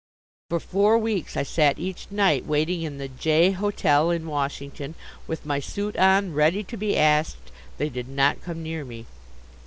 For four weeks I sat each night waiting in the J. hotel in Washington with my suit on ready to be asked. They did not come near me.